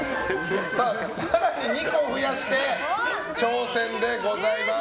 更に２個増やして挑戦でございます。